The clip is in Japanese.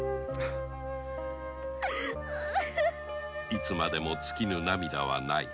いつまでも尽きぬ涙はない。